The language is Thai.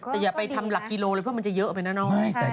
แต่อย่าไปทำหลักกิโลเลยเพราะมันจะเยอะไปนะน้อง